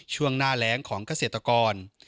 ช่วงหน้าแรงของเกษตรกร